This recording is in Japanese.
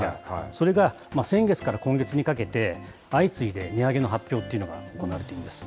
それが先月から今月にかけて、相次いで値上げの発表っていうのが行われています。